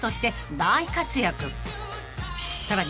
［さらに］